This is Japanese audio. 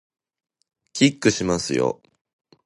キックしますよ